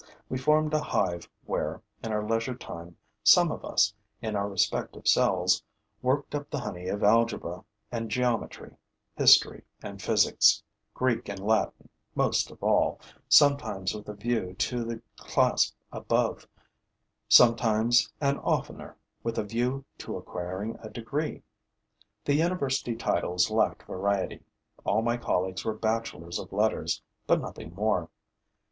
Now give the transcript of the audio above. We formed a hive where, in our leisure time, some of us, in our respective cells, worked up the honey of algebra and geometry, history and physics, Greek and Latin most of all, sometimes with a view to the class above, sometimes and oftener with a view to acquiring a degree. The university titles lacked variety. All my colleagues were bachelors of letters, but nothing more.